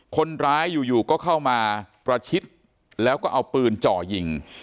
คนร้ายอยู่ก็เข้ามาประชิดแล้วก็เอาปืนจ่อยิง